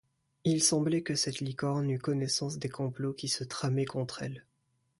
Il semblait que cette Licorne eût connaissance des complots qui se tramaient contre elle.